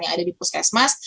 yang ada di puskesmas